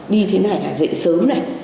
đi thế này là dậy sớm này